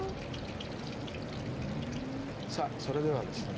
さあそれではですね